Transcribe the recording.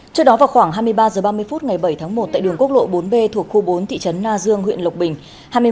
trước đó vào khoảng hai mươi ba h ba mươi phút ngày bảy tháng một tại đường quốc lộ bốn b thuộc khu bốn thị trấn na dương huyện lộc bình